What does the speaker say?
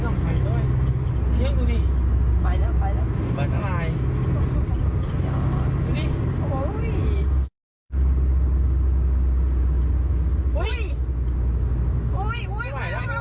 ไม่ไหวแล้วอุ้ยไปแล้วไปแล้วไปแล้ว